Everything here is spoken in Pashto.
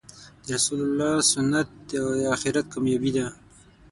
د رسول الله سنت د آخرت کامیابې ده .